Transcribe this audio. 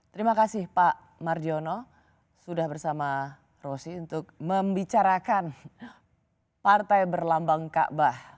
terima kasih pak marjono sudah bersama rosi untuk membicarakan partai berlambang kaabah